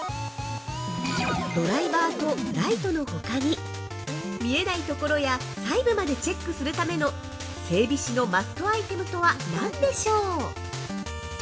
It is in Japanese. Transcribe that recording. ドライバーとライトのほかに見えないところや細部までチェックするための整備士のマストアイテムとは何でしょう？